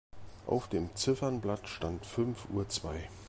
Auf dem Ziffernblatt stand fünf Uhr zwei.